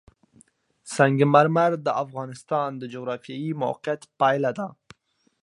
سنگ مرمر د افغانستان د جغرافیایي موقیعت پایله ده.